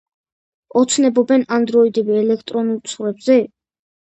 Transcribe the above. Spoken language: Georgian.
ოცნებობენ ანდროიდები ელექტრონულ ცხვრებზე?